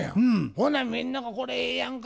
ほなみんなが「これええやんか。